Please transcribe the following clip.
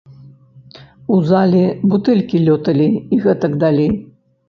У залі бутэлькі лёталі і гэтак далей.